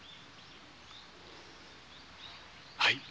はい。